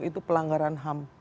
itu pelanggaran ham